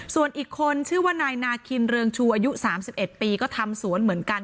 ส่วนอีกคนชื่อว่านายนาคินเรืองชูอายุ๓๑ปีก็ทำสวนเหมือนกัน